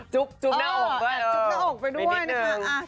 จุ๊บจุ๊บหน้าอกไปด้วย